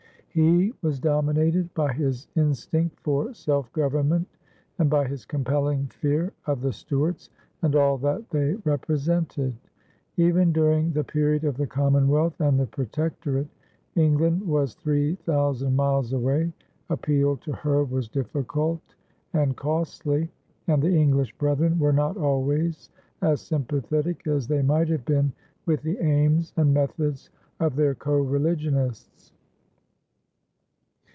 He was dominated by his instinct for self government and by his compelling fear of the Stuarts and all that they represented. Even during the period of the Commonwealth and the Protectorate, England was three thousand miles away, appeal to her was difficult and costly, and the English brethren were not always as sympathetic as they might have been with the aims and methods of their co religionists.